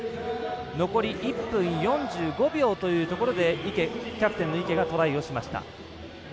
残り１分４５秒というところでキャプテンの池がトライ。